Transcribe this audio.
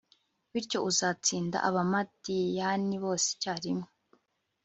bityo uzatsinda abamadiyani bose icyarimwe